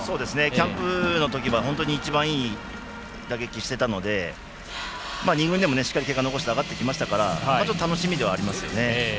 キャンプのときは本当に一番いい打撃してたので二軍でもしっかり結果を残して上がってきましたから楽しみではありますよね。